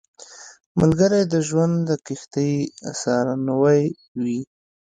ملګری د ژوند د کښتۍ سارنوی وي